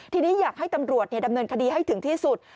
ทีนี้อยากให้ตำรวจดำเนินคดีให้ถึงที่สุด